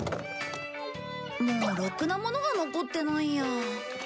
もうろくなものが残ってないや。